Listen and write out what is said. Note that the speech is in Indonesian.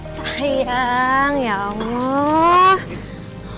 sayang ya allah